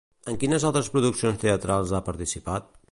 En quines altres produccions teatrals ha participat?